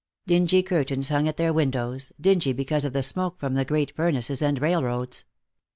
Dingy curtains hung at their windows, dingy because of the smoke from the great furnaces and railroads.